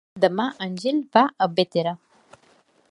Demà en Gil va a Bétera.